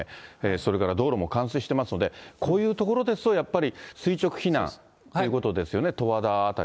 それから道路も冠水してますので、こういう所ですと、やっぱり垂直避難ということですよね、十和田